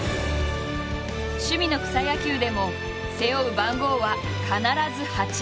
趣味の草野球でも背負う番号は必ず「８」。